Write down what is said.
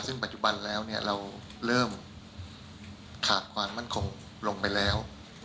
ซึ่งปัจจุบันแล้วเราเริ่มขาดความมั่นคงลงไปแล้ว